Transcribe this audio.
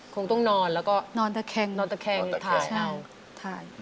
คงต้องนอนแล้วก็นอนแต่แข็งถ่าย